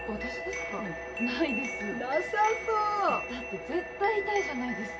だって絶対痛いじゃないですか。